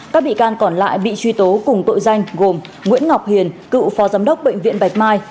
các bị can còn lại bị truy tố cùng tội danh gồm nguyễn ngọc hiền cựu phó giám đốc bệnh viện bạch mai